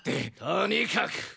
とにかく！